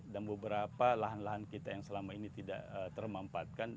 dan beberapa lahan lahan kita yang selama ini tidak termampatkan